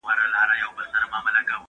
د انسان رفتار تر ماشین ډېر پېچلی دی.